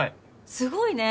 すごいね。